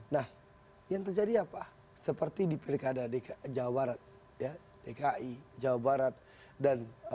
nah yang terjadi apa seperti di pirkada jawa barat dki jawa barat dan